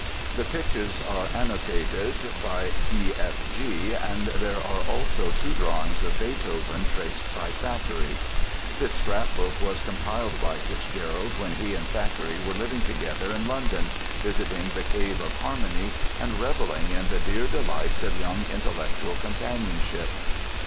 The pictures are annotated by E.F.G. and there are also two drawings of Beethoven traced by Thackeray. This scrapbook was compiled by FitzGerald when he and Thackeray were living together in London, visiting the Cave of Harmony and revelling in the dear delights of young intellectual companionship.